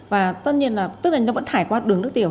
và tất nhiên là tức là nó vẫn thải qua đường nước tiểu